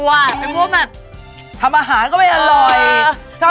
พี่มุมแบบทำอาหารก็ไม่อร่อย